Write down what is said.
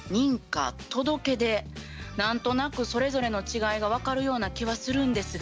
何となくそれぞれの違いが分かるような気はするんですが。